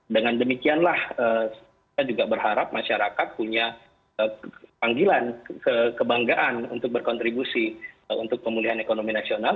dengan demikianlah kita juga berharap masyarakat punya panggilan kebanggaan untuk berkontribusi untuk pemulihan ekonomi nasional